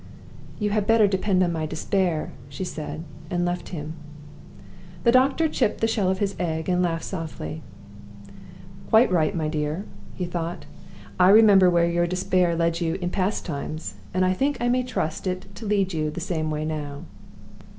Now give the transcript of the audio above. "You had better depend on my despair," she said, and left him. The doctor chipped the shell of his egg, and laughed softly. "Quite right, my dear!" he thought. "I remember where your despair led you in past times; and I think I may trust it to lead you the same way now."